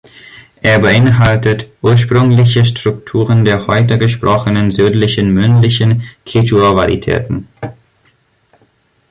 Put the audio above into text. Er beinhaltet ursprüngliche Strukturen der heute gesprochenen südlichen mündlichen Quechua-Varietäten.